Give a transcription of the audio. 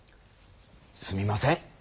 すみません。